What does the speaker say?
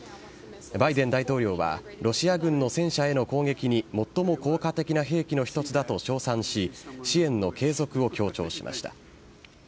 バイデン大統領はロシア軍の戦車への攻撃に最も効果的な兵器の一つだと称賛し支援の継続を強調しました。